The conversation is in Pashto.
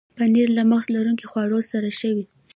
پنېر له مغز لرونکو خواړو سره ښه وي.